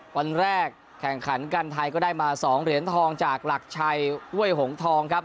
วันแรกแข่งขันกันไทยก็ได้มา๒เหรียญทองจากหลักชัยห้วยหงทองครับ